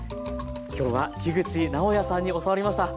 今日は口直哉さんに教わりました。